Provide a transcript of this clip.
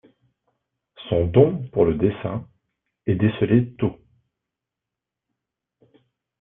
Son don pour le dessin est décelé tôt.